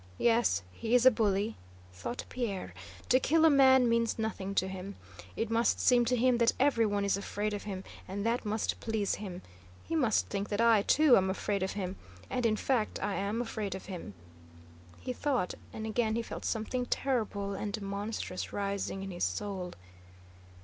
"Yes, he is a bully," thought Pierre, "to kill a man means nothing to him. It must seem to him that everyone is afraid of him, and that must please him. He must think that I, too, am afraid of him—and in fact I am afraid of him," he thought, and again he felt something terrible and monstrous rising in his soul.